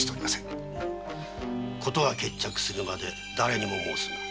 事が決着するまではだれにも申すな。